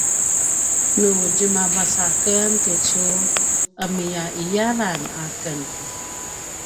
nu djemavac aken tucu ’emiya’iyalan aken